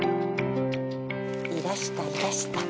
いらしたいらした。